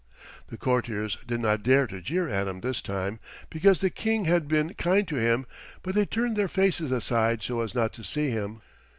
The courtiers did not dare to jeer at him this time, because the King had been kind to him, but they turned their faces aside so as not to see him.